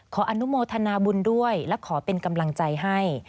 ขออนุโมทนาบุญด้วยและขอเป็นกำลังใจให้